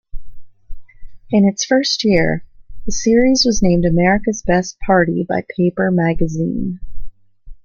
In its first year, the series was named "America's Best Party" by Paper Magazine.